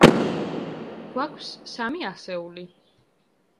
გვაქვს სამი ასეული.